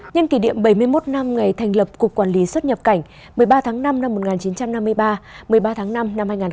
nhân kỷ niệm bảy mươi một năm ngày thành lập cục quản lý xuất nhập cảnh một mươi ba tháng năm năm một nghìn chín trăm năm mươi ba một mươi ba tháng năm năm hai nghìn hai mươi bốn